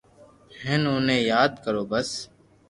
ھين اوني ياد ڪرو بس